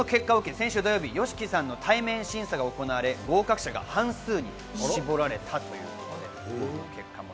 先週土曜日、ＹＯＳＨＩＫＩさんの対面審査が行われ、合格者が半数に絞られたということです。